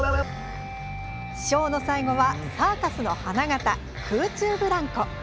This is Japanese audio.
ショーの最後はサーカスの花形、空中ブランコ。